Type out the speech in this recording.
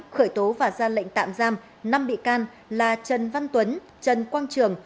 khởi tố và ra lệnh tạm giam năm bị can là trần văn tuấn trần quang trường